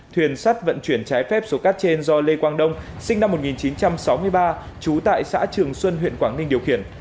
thuyền sắt vận chuyển trái phép số cát trên do lê quang đông sinh năm một nghìn chín trăm sáu mươi ba trú tại xã trường xuân huyện quảng ninh điều khiển